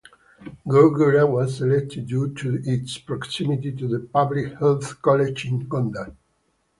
Gorgora was selected due to its proximity to the Public Health College in Gondar.